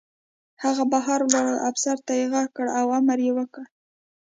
هغه بهر ولاړ افسر ته غږ کړ او امر یې وکړ